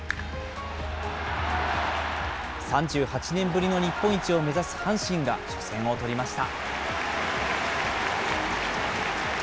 ３８年ぶりの日本一を目指す阪神が初戦を取りました。